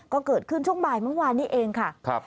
ก็เกิดขึ้นช่วงบ่ายเมื่อวานนี้เองค่ะ